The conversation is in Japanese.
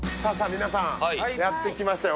皆さん、やってきましたよ。